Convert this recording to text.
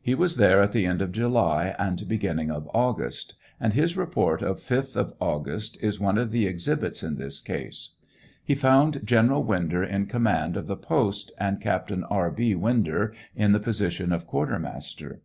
He was there at the end of July and beginning of August, and his report of 5th of August is one of the exhibits in this case. He found General Winder in command of the post and Captain R. B. Winder in the position of quartermaster.